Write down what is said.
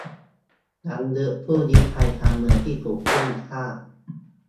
รำลึกผู้ลี้ภัยการเมืองที่ถูกอุ้มฆ่า